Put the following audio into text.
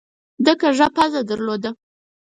ده کږه پزه درلوده.